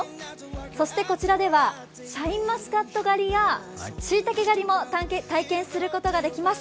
そしてこちらではシャインマスカット狩りやしいたけ狩りも体験することができます。